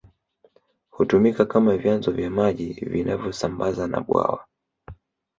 Hutumika kama vyanzo vya maji vinavyosambaza na bwawa